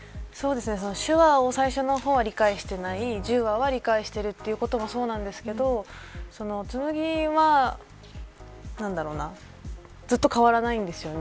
手話の方は最初の方は理解していない１０話では理解しているということもそうですが紬はずっと変わらないんですよね。